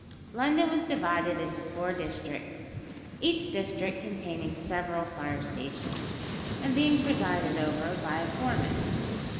London was divided into four districts, each district containing several fire stations, and being presided over by a foreman.